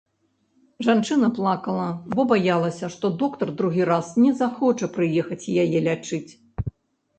Жанчына плакала, бо баялася, што доктар другі раз не захоча прыехаць яе лячыць.